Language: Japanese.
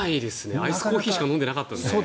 アイスコーヒーしか飲んでなかったですね。